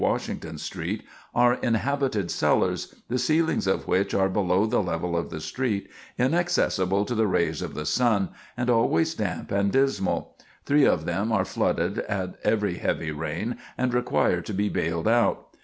Washington Street, are inhabited cellars, the ceilings of which are below the level of the street, inaccessible to the rays of the sun, and always damp and dismal. Three of them are flooded at every heavy rain, and require to be baled out.